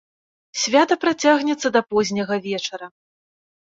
Свята працягнецца да позняга вечара.